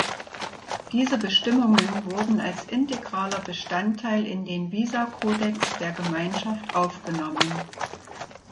Diese Bestimmungen wurden als integraler Bestandteil in den Visakodex der Gemeinschaft aufgenommen.